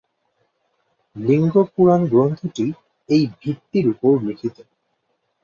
লিঙ্গ পুরাণ গ্রন্থটি এই ভিত্তির উপর লিখিত।